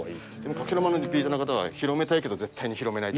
加計呂麻のリピーターの方は広めたいけど、絶対に広めない。